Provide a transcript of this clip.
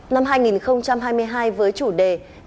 năm hai nghìn hai mươi hai với chủ đề